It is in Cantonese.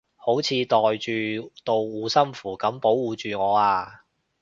好似袋住道護身符噉保護住我啊